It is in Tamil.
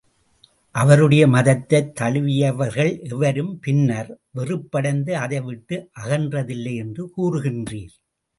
அவருடைய மதத்தைத் தழுவியவர்கள் எவரும் பின்னர், வெறுப்படைந்து அதை விட்டு அகன்றதில்லை என்று கூறுகின்றீர்.